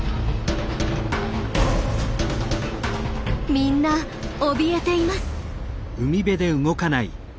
みんなおびえています。